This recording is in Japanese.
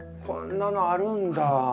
こんなのあるんだ。